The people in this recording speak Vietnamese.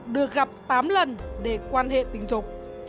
được gặp tám lần để quan hệ tình dục